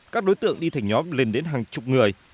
các đối tượng đi thành nhóm lên đến hàng chục người